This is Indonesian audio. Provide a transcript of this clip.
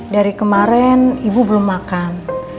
dari kemarin ibu belum makan